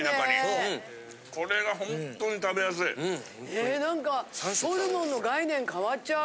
え何かホルモンの概念変わっちゃう。